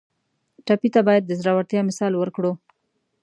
ټپي ته باید د زړورتیا مثال ورکړو.